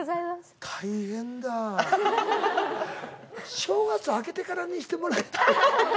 正月明けてからにしてもらいたい。